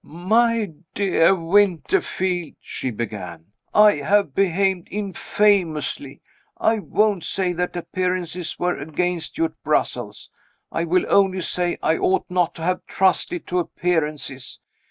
"My dear Winterfield," she began, "I have behaved infamously. I won't say that appearances were against you at Brussels I will only say I ought not to have trusted to appearances.